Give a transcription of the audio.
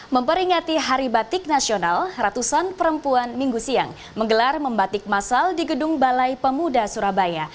memperingati hari batik nasional ratusan perempuan minggu siang menggelar membatik masal di gedung balai pemuda surabaya